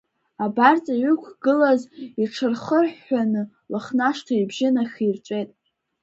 Абарҵа иҩықәгылаз иҽырхырҳәҳәаны, Лыхнашҭа ибжьы нахирҵәеит…